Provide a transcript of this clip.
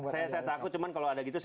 saya takut cuman kalau ada gitu saya